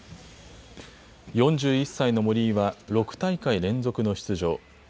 ４１歳の森井は６大会連続の出場。